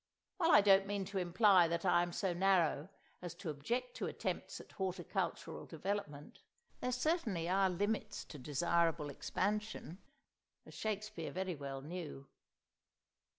While I don't mean to imply that I am so narrow as to object to attempts at horticultural development, there certainly are limits to desirable expansion—as Shakespeare very well knew.